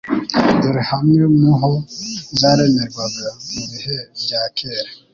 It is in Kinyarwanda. Dore hamwe muho zaremerwaga mu bihe bya kera :